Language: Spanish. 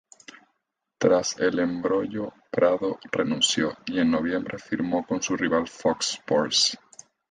Tras el embrollo, Prado renunció, y en noviembre firmó con su rival Fox Sports.